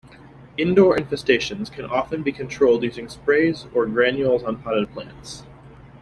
Indoor infestations can often be controlled using sprays or granules on potted plants.